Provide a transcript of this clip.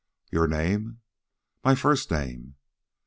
"Your name?" "My first name."